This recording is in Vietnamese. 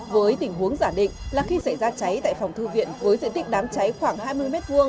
với tình huống giả định là khi xảy ra cháy tại phòng thư viện với diện tích đám cháy khoảng hai mươi m hai